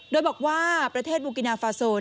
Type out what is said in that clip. โดยบอกว่าประเทศบุกินาฟาโซน